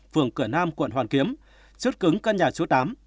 phường cửa nam quận hoàn kiếm chốt cứng căn nhà số tám